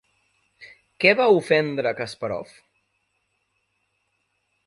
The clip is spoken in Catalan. Què va ofendre Kaspàrov?